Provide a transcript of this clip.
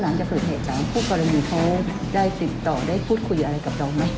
พ่อหลังจะเกิดเหตุการณ์ของผู้กรณีเขาได้ติดต่อได้พูดคุยอะไรกับเราไหม